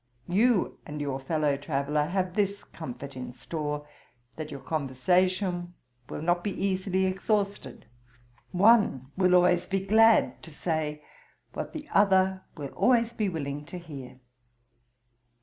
You and your fellow traveller have this comfort in store, that your conversation will be not easily exhausted; one will always be glad to say what the other will always be willing to hear.